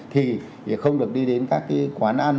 thì không được đi đến các cái quán ăn